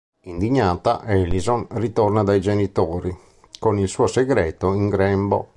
Indignata, Alison ritorna dai genitori, con il suo segreto in grembo.